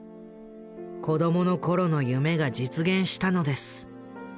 子供の頃の夢が実現したのです。